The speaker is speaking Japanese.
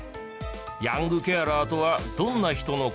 ヤングケアラーとはどんな人の事？